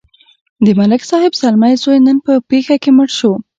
د ملک صاحب زلمی زوی نن په پېښه کې مړ شو.